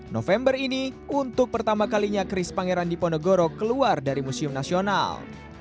november ini untuk pertama kalinya keris pangeran diponegoro keluar dari museum nasional